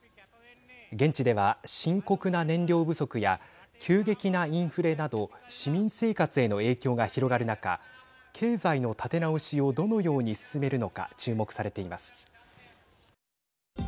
現地では、深刻な燃料不足や急激なインフレなど市民生活への影響が広がる中経済の立て直しをどのように進めるのか注目されています。